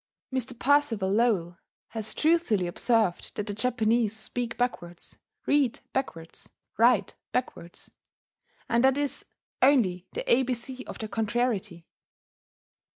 Mr. Percival Lowell has truthfully observed that the Japanese speak backwards, read backwards, write backwards, and that this is "only the abc of their contrariety."